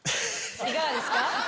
いかがですか？